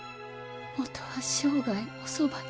もとは生涯おそばに。